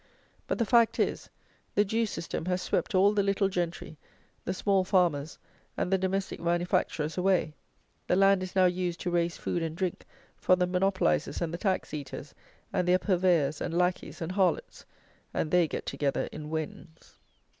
But, the fact is, the Jew system has swept all the little gentry, the small farmers, and the domestic manufacturers away. The land is now used to raise food and drink for the monopolizers and the tax eaters and their purveyors and lackeys and harlots; and they get together in Wens.